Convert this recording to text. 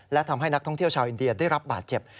และทำให้นักท่องเที่ยวชาวอินเดียได้รับบาดเจ็บ